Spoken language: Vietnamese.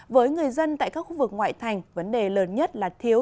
với người dân tại các khu vực ngoại thành vấn đề lớn nhất là thiếu